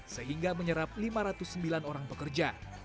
sehingga menyerap lima ratus sembilan orang pekerja